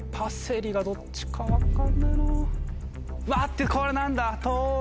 待ってこれ何だ？